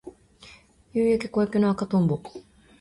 夕焼け小焼けの赤とんぼ